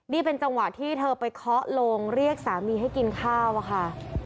นี่เป็นจังหวะที่เธอไปเคาะลงเรียกสามีให้กินข้าวอะค่ะ